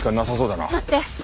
待って！